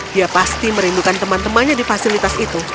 dia pasti merindukan teman temannya di fasilitas itu